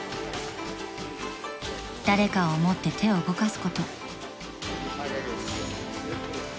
［誰かを思って手を動かすこと］